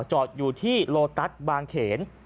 จอดอยู่ที่โลตัสบางเขน